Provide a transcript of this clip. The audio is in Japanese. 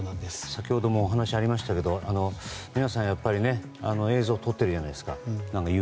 先ほどもお話がありましたが皆さん、映像を撮っていたじゃないですか。